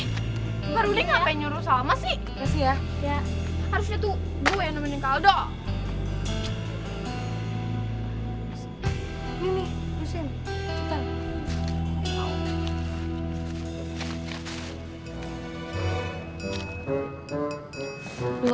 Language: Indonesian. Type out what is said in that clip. harusnya tuh gue yang nemenin kak aldo